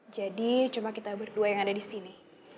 jadi cuma kita berdua yang ada di sini